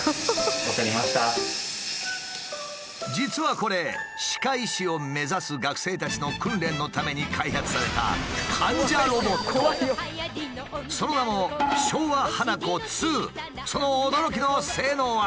実はこれ歯科医師を目指す学生たちの訓練のために開発されたその名もその驚きの性能は。